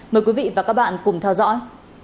mời quý vị và các bạn cùng theo dõi